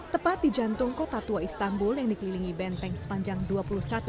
tepat di jantung kota tua istanbul yang dikelilingi benteng sepanjang dua puluh satu meter